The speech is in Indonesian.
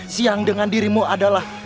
siang dengan dirimu adalah